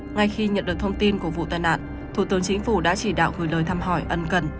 ngay khi nhận được thông tin của vụ tai nạn thủ tướng chính phủ đã chỉ đạo gửi lời thăm hỏi ân cần